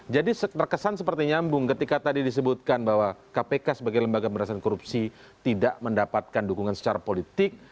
jadi terkesan seperti nyambung ketika tadi disebutkan bahwa kpk sebagai lembaga penatasan korupsi tidak mendapatkan dukungan secara politik